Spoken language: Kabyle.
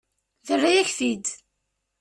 Terra-yak-t-id.